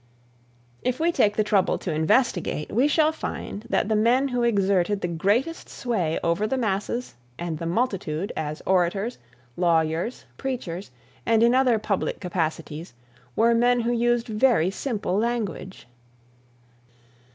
If we take the trouble to investigate we shall find that the men who exerted the greatest sway over the masses and the multitude as orators, lawyers, preachers and in other public capacities, were men who used very simple language.